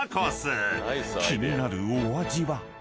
［気になるお味は？］